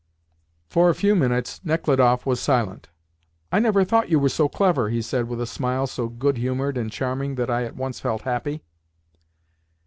For a few minutes Nechludoff was silent. "I never thought you were so clever," he said with a smile so goodhumoured and charming that I at once felt happy.